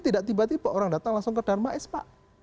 tidak tiba tiba orang datang langsung ke darmais pak